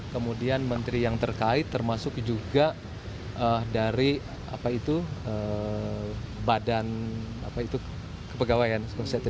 kemudian menteri yang terkait termasuk juga dari badan kepegawaian